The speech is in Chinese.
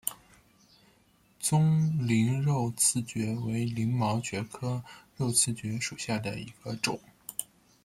棕鳞肉刺蕨为鳞毛蕨科肉刺蕨属下的一个种。